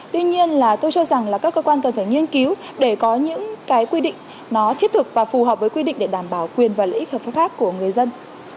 tuy nhiên là tôi cho rằng là các cơ quan cần phải nghiên cứu để có những cái quy định nó thiết thực và phù hợp với quy định để đảm bảo quyền và lợi ích hợp pháp khác của người dân